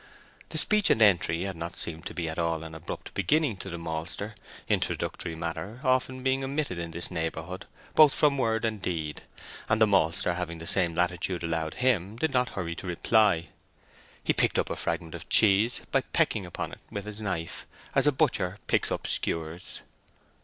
The speech and entry had not seemed to be at all an abrupt beginning to the maltster, introductory matter being often omitted in this neighbourhood, both from word and deed, and the maltster having the same latitude allowed him, did not hurry to reply. He picked up a fragment of cheese, by pecking upon it with his knife, as a butcher picks up skewers.